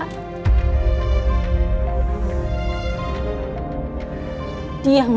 aku pikir suami kamu adalah suami yang baik